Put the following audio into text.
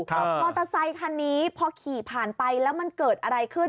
มอเตอร์ไซคันนี้พอขี่ผ่านไปแล้วมันเกิดอะไรขึ้น